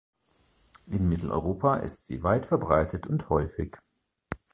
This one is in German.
In Mitteleuropa ist sie weit verbreitet und häufig.